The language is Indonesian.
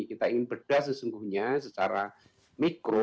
kita ingin bedah sesungguhnya secara mikro